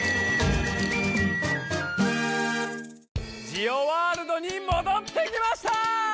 ジオワールドにもどってきました！